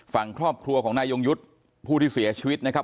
ฝั่งครอบครัวของนายยงยุทธ์ผู้ที่เสียชีวิตนะครับ